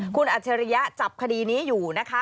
คุณอัจฉริยะจับคดีนี้อยู่นะคะ